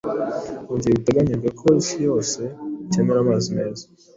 mugihe biteganijwe ko isi yose ikenera amazi meza